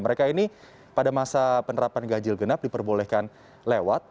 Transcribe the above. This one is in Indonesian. mereka ini pada masa penerapan ganjil genap diperbolehkan lewat